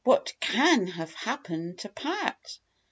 "What can have happened to Pat!"